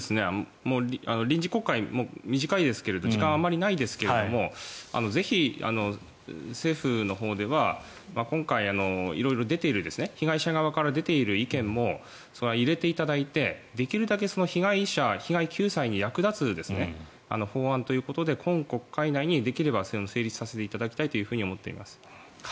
臨時国会も短いですが時間はあまりないですがぜひ政府のほうでは今回、色々出ている被害者側から出ている意見も入れていただいてできるだけ被害者、被害救済に役立つ法案ということで今国会内に成立させていただきたいと思います。